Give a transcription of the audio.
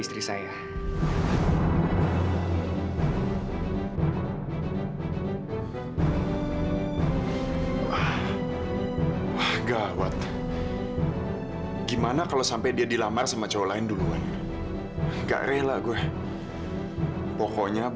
sampai jumpa di video selanjutnya